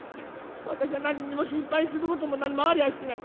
私は何にも心配することも何もありゃあしない。